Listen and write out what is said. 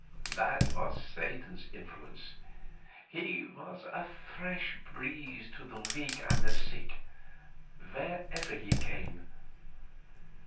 That was Satan's influence; he was a fresh breeze to the weak and the sick, wherever he came.